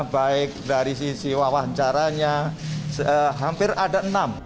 baik dari sisi wawancaranya hampir ada enam